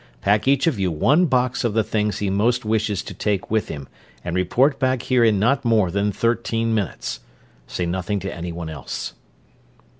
Pack each of you one box of the things he most wishes to take with him, and report back here in not more than thirteen minutes. Say nothing to anyone else."